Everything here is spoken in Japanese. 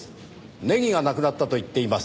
ネギがなくなったと言っています。